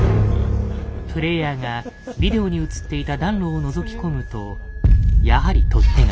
プレイヤーがビデオに映っていた暖炉をのぞき込むとやはり取っ手が。